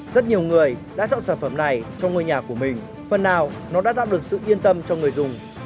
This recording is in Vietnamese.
rất nhiều người đã chọn sản phẩm này cho ngôi nhà của mình phần nào nó đã tạo được sự yên tâm cho người dùng